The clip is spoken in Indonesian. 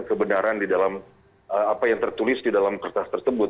kebenaran di dalam apa yang tertulis di dalam kertas tersebut